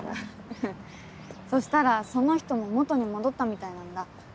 そしたらその人も元に戻ったみたいなんだ。